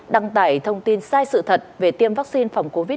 đăng tải thông tin sai sự thật về tiêm vaccine phòng covid một mươi chín